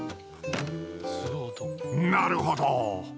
なるほど。